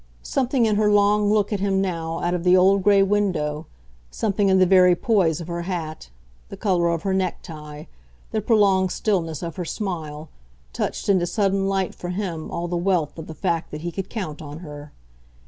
Something in her long look at him now out of the old grey window, something in the very poise of her hat, the colour of her necktie, the prolonged stillness of her smile, touched into sudden light for him all the wealth of the fact that he could count on her.